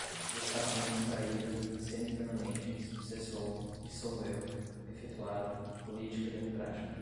Destacamento Traíra, semi-permanentes, cessou, dissolveu, efetuaram, política-democrática